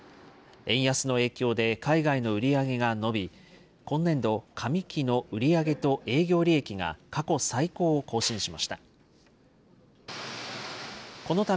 円安の影響で海外の売り上げが伸び、今年度上期の売り上げと営業利益が、過去最高を更新しました。